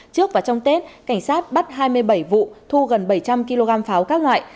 trước và trong tết cảnh sát bắt hai mươi bảy vụ thu gần bảy trăm linh kg pháo các loại